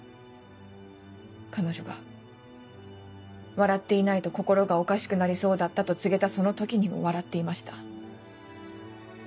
彼女が「笑っていないと心がおかしくなりそうだった」と告げたその時にも笑っていました。